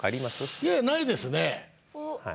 いやいやないですね。